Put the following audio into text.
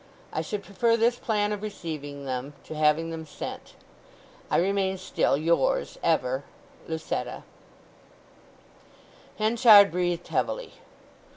I should prefer this plan of receiving them to having them sent.—I remain still, yours; ever, "LUCETTA" Henchard breathed heavily.